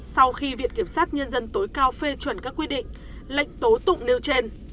sau khi viện kiểm sát nhân dân tối cao phê chuẩn các quy định lệnh tố tụng nêu trên